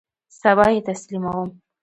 سبا یی تسلیموم